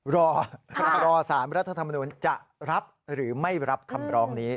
รอรอสารรัฐธรรมนุนจะรับหรือไม่รับคำร้องนี้